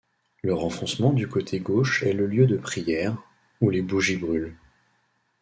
Le renfoncement du côté gauche est le lieu de prière, où les bougies brûlent.